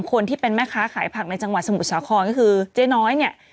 คนที่เป็นแม่ค้าขายผักในจังหวัดสมุทรสาครก็คือเจ๊น้อยเนี่ย